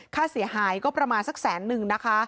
ค่าเสียหายก็ประมาณสักแสนนึงนะคะ